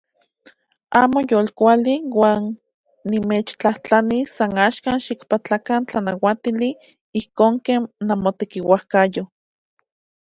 Amo yolkuali uan nimechtlajtlanis san axkan xikpatlakan tlanauatili ijkon ken namotekiuajyo.